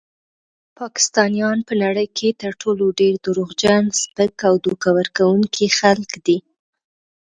پاکستانیان په نړۍ کې تر ټولو ډیر دروغجن، سپک او دوکه ورکونکي خلک دي.